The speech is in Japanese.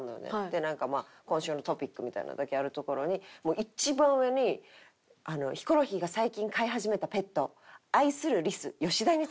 でなんかまあ今週のトピックみたいなのだけあるところにもう一番上にヒコロヒーが最近飼い始めたペットえっ！？